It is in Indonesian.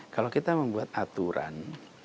kalau kita membuat aturan